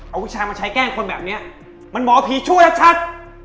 เอาผู้ชายมาใช้แกล้งคนแบบนี้มันหมอผีช่วยชัด